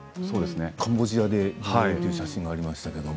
カンボジアでという写真もありましたね。